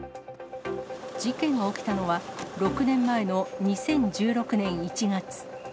事件が起きたのは、６年前の２０１６年１月。